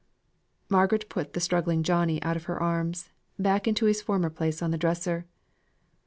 Margaret put the struggling Johnnie out of her arms, back into his former place on the dresser.